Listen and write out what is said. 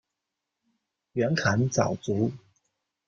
袁侃早卒。